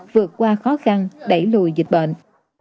vượt qua khó khăn đẩy lùi dịch bệnh